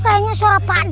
kayaknya suara pak d